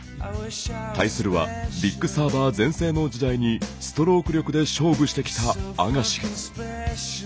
対するはビッグサーバー全盛の時代にストローク力で勝負してきたアガシ。